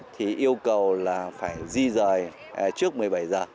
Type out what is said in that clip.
thì yêu cầu là phải di rời trước một mươi bảy giờ